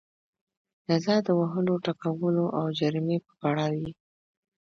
جزا د وهلو ټکولو او جریمې په بڼه وي.